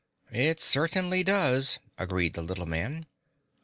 "It certainly does," agreed the little man.